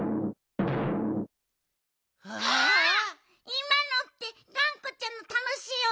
いまのってがんこちゃんのたのしいおとじゃない？